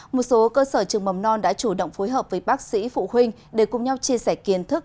một số cơ sở trường mầm non đã chủ động phối hợp với bác sĩ phụ huynh để cùng nhau chia sẻ kiến thức